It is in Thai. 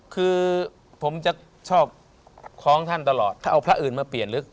คือผมจะชอบคล้องท่านตลอดถ้าเอาพระอื่นมาเปลี่ยนลึก